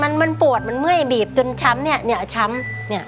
มีค่ะมันปวดมันเมื่อยบีบจนช้ำเนี่ยเนี่ยช้ำ